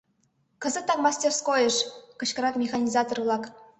Кызытак мастерскойыш! — кычкырат механизатор-влак.